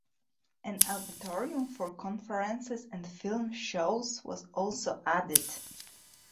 An auditorium for conferences and film shows was also added.